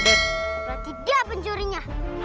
berarti dia pencurinya